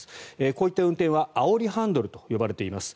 こういった運転はあおりハンドルと呼ばれています。